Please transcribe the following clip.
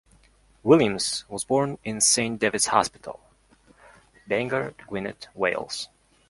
Williams was born in Saint David's Hospital, Bangor, Gwynedd, Wales.